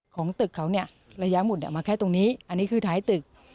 ของตึกเขาเนี่ยระยะหุดมาแค่ตรงนี้อันนี้คือท้ายตึก